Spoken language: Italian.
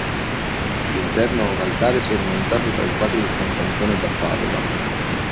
L'interno ha un altare sormontato dal quadro di Sant'Antonio da Padova.